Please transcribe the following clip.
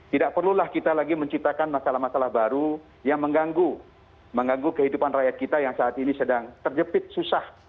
tidak perlulah kita lagi menciptakan masalah masalah baru yang mengganggu kehidupan rakyat kita yang saat ini sedang terjepit susah